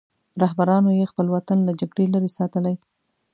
رهبرانو یې خپل وطن له جګړې لرې ساتلی.